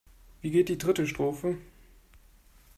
Wie geht die dritte Strophe?